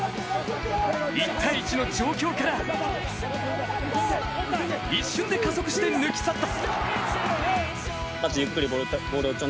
１対１の状況から一瞬で加速して抜き去った！